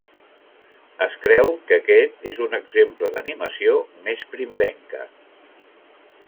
Es creu que aquest és un exemple d'animació més primerenca.